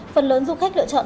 phần lớn du khách lựa chọn